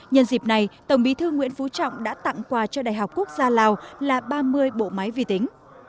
nhân dịp này tổng bí thư nguyễn phú trọng đã tặng quà cho đại học quốc gia lào là ba mươi bộ máy vi tính